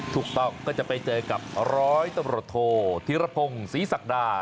ถูกต้องก็จะไปเจอกับร้อยตำรวจโทษธิรพงศ์ศรีศักดา